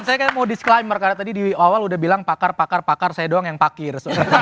saya mau disclaimer karena tadi di awal udah bilang pakar pakar pakar saya doang yang pakir